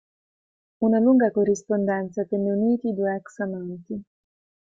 Una lunga corrispondenza tenne uniti i due ex amanti.